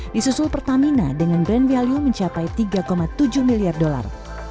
disusul pertamina dengan brand value mencapai tiga tujuh miliar dolar